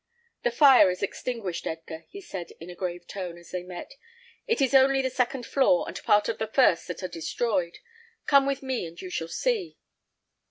"The fire is extinguished, Edgar," he said, in a grave tone, as they met. "It is only the second floor and part of the first that are destroyed. Come with me, and you shall see."